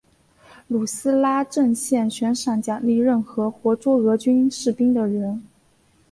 努斯拉阵线悬赏奖励任何活捉俄军士兵的人。